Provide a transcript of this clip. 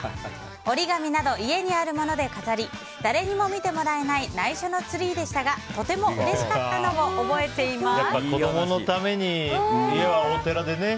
折り紙など家にあるもので飾り誰にも見てもらえない内緒のツリーでしたがとてもうれしかったのを覚えています。